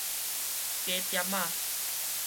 粿店仔